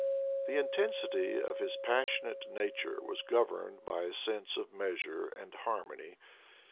The intensity of his pas sionate nature was governed by a sense of measure and harmony.